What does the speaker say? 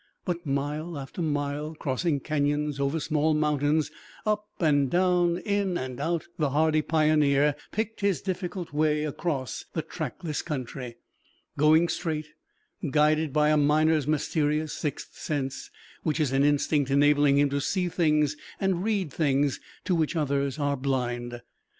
But mile after mile, crossing cañons, over small mountains, up and down, in and out, the hardy pioneer picked his difficult way across the trackless country, going straight, guided by a miner's mysterious sixth sense, which is an instinct enabling him to see things and read things to which others are blind.